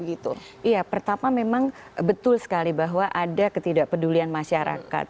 iya pertama memang betul sekali bahwa ada ketidakpedulian masyarakat